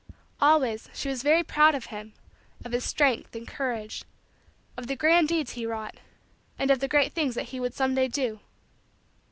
Always she was very proud of him of his strength and courage of the grand deeds he wrought and of the great things that he would some day do.